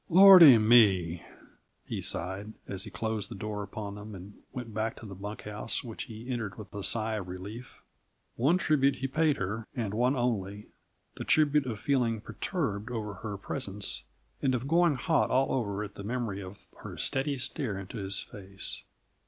"Lordy me!" he sighed, as he closed the door upon them and went back to the bunk house, which he entered with a sigh of relief. One tribute he paid her, and one only: the tribute of feeling perturbed over her presence, and of going hot all over at the memory of her steady stare into his face.